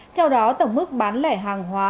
theo đó tổng mức bán lẻ hàng hóa